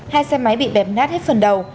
hai xe máy bị bẹp nát hết phần đầu